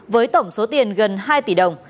với tổng số tiền gần hai tỷ đồng